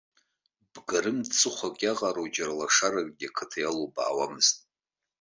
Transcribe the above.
Бгарымӡ-ҵыхәак иаҟароу џьара лашаракгьы ақыҭа иалубаауамызт.